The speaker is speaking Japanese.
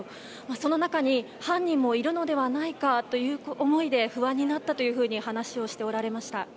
その中に犯人もいるのではないかという思いで不安になったというふうに話をしておられました。